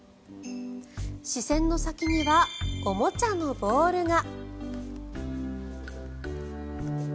視線の先にはおもちゃのボールが。